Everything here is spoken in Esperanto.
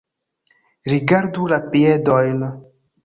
Rigardu la piedojn